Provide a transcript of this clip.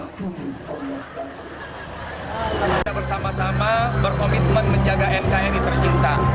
kita bersama sama berkomitmen menjaga nkri tercinta